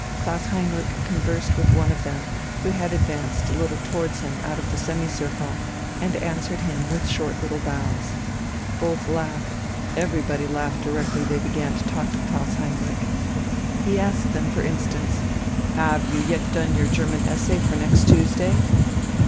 Klaus Heinrich conversed with one of them, who had advanced a little towards him out of the semicircle, and answered him with little short bows. Both laughed, everybody laughed directly they began to talk to Klaus Heinrich. He asked him for instance: "Have you yet done your German essay for next Tuesday?"